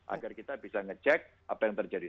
agar kita bisa ngecek apa yang terjadi